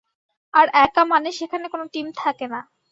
আর একা মানে সেখানে কোন টিম থাকে না।